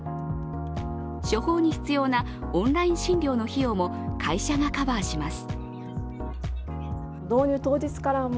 処方に必要なオンライン診療の費用も会社がカバーします。